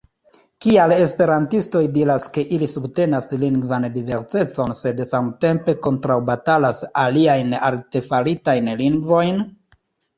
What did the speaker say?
Kial esperantistoj diras, ke ili subtenas lingvan diversecon, sed samtempe kontraŭbatalas aliajn artefaritajn lingvojn?